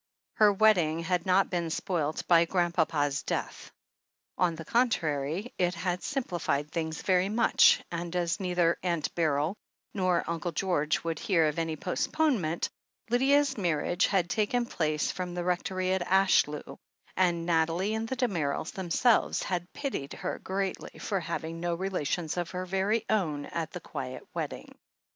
Her wedding had not been spoilt by Grandpapa's death. On the contrary, it had simplified things very much, and as neither Aunt Beryl nor Uncle George would hear of any postponement, Lydia's marriage had taken place from the Rectory at Ashlew, and Nathalie, and the Damerels themselves, had pitied her greatly for having no relations of her very own at the quiet wedding.